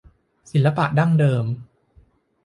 ศิลปะดั้งเดิม